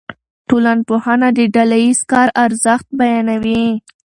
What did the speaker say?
ټولنپوهنه د ډله ایز کار ارزښت بیانوي.